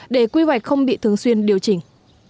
để quy hoạch không bị thường xuyên điều chỉnh